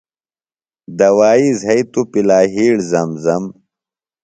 دوائی زھئی توۡ پِلہ یِھیڑ زم زم۔